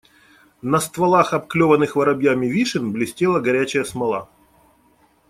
На стволах обклеванных воробьями вишен блестела горячая смола.